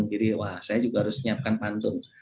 jadi wah saya juga harus menyiapkan pantun